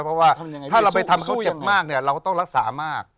เพราะว่าถ้าเราไปทำเขาเจ็บมากเนี่ยเราก็ต้องรักษามาก